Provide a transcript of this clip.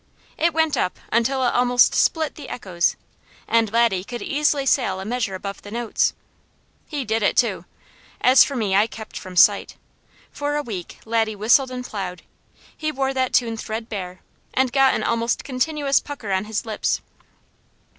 It went up until it almost split the echoes, and Laddie could easily sail a measure above the notes. He did it too. As for me, I kept from sight. For a week Laddie whistled and plowed. He wore that tune threadbare, and got an almost continuous pucker on his lips.